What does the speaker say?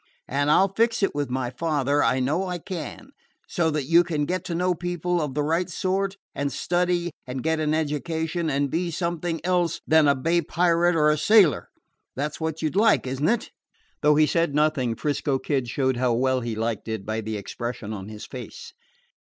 And I 'll fix it with my father I know I can so that you can get to know people of the right sort, and study and get an education, and be something else than a bay pirate or a sailor. That 's what you 'd like, is n't it?" Though he said nothing, 'Frisco Kid showed how well he liked it by the expression of his face.